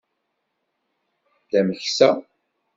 D ameksa.